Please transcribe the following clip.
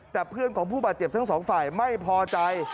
แต่เพื่อนของผู้บาดเจ็บทั้งสองฝ่ายไม่พอใจ